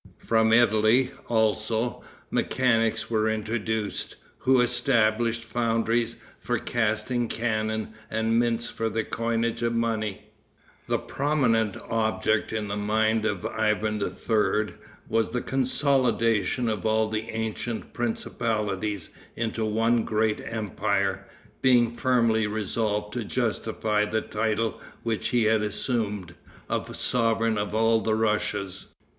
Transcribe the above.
From Italy, also, mechanics were introduced, who established foundries for casting cannon, and mints for the coinage of money. The prominent object in the mind of Ivan III. was the consolidation of all the ancient principalities into one great empire, being firmly resolved to justify the title which he had assumed, of Sovereign of all the Russias.